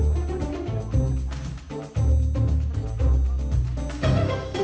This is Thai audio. เพื่อนรับทราบ